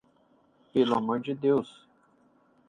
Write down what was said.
Pelo amor de Deus!